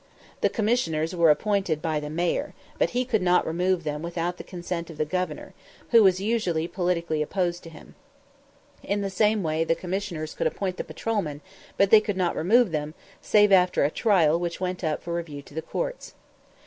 The Commissioners were appointed by the Mayor, but he could not remove them without the assent of the Governor, who was usually politically opposed to him. In the same way the Commissioners could appoint the patrolmen, but they could not remove them, save after a trial which went up for review to the courts.